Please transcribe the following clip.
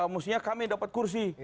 maksudnya kami dapat kursi